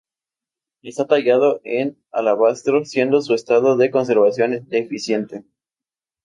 Está tallado en alabastro siendo su estado de conservación deficiente.